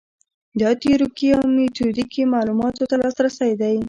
دا تیوریکي او میتودیکي معلوماتو ته لاسرسی دی.